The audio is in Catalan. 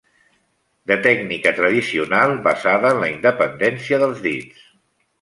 De tècnica tradicional basada en la independència dels dits.